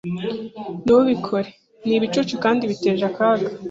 Ntubikore! Nibicucu kandi biteje akaga.